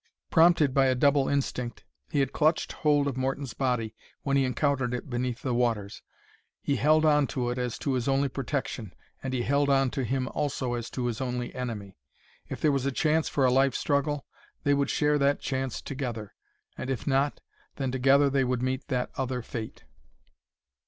Prompted by a double instinct, he had clutched hold of Morton's body when he encountered it beneath the waters. He held on to it, as to his only protection, and he held on to him also as to his only enemy. If there was a chance for a life struggle, they would share that chance together; and if not, then together would they meet that other fate.